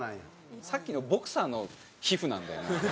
さっきのボクサーの皮膚なんだよな。